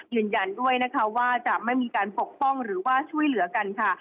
ยืนยันด้วยนะคะว่าจะไม่มีการปกป้องหรือว่าช่วยเหลือกันค่ะ